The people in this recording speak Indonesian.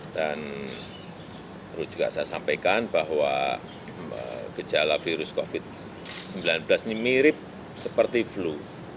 dan perlu juga saya sampaikan bahwa gejala virus covid sembilan belas ini mirip seperti flu